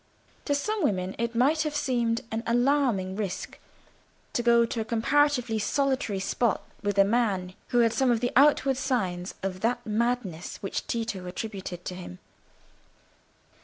To some women it might have seemed an alarming risk to go to a comparatively solitary spot with a man who had some of the outward signs of that madness which Tito attributed to him.